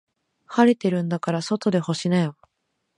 晴れてるんだから外で干しなよ。